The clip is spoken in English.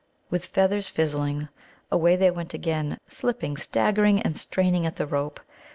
With feathers fizzling, away they went again, slipping, staggering, and straining at the rope.